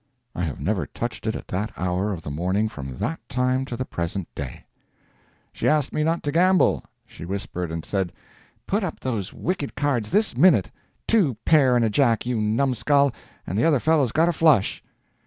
I have never touched it at that hour of the morning from that time to the present day. She asked me not to gamble. She whispered and said, "Put up those wicked cards this minute!—two pair and a jack, you numskull, and the other fellow's got a flush!"